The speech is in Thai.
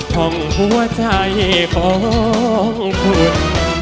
ห้องหัวใจของคุณ